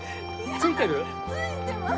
付いてます。